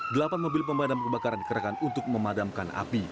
delapan mobil pemadam kebakaran dikerahkan untuk memadamkan api